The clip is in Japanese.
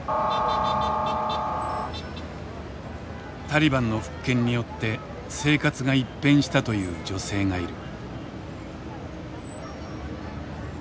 タリバンの復権によって生活が一変したという女性がいる。